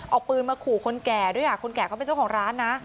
เอาปืนมาขู่คนแก่ด้วยคนแก่เขาเป็นเจ้าของร้านนะ